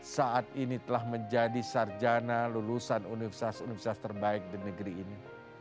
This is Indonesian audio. saat ini telah menjadi sarjana lulusan universitas universitas terbaik di negeri ini